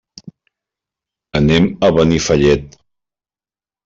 Anem a Benifallet.